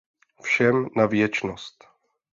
Všem na věčnost.